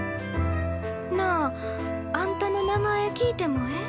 なああんたの名前聞いてもええ？